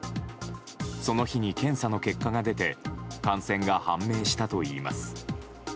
その日に検査の結果が出て感染が判明したといいます。